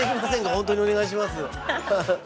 本当にお願いします。